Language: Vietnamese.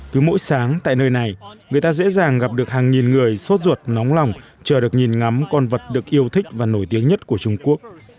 cứ mỗi sáng tại nơi này người ta dễ dàng gặp được hàng nghìn người sốt ruột nóng lòng chờ được nhìn ngắm con vật được yêu thích và nổi tiếng nhất của trung quốc